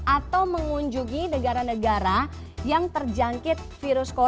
atau mengunjungi negara negara yang terjangkit virus corona